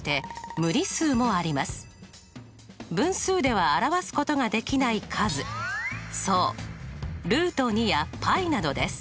分数では表すことができない数そうやπなどです。